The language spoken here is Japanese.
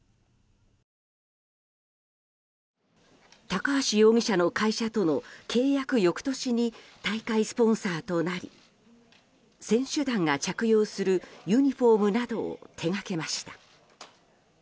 高橋容疑者の会社との契約翌年に大会スポンサーとなり選手団が着用するユニホームなどを手がけました。